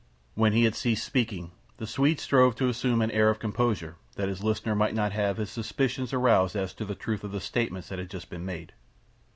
When he had ceased speaking the Swede strove to assume an air of composure that his listener might not have his suspicions aroused as to the truth of the statements that had just been made.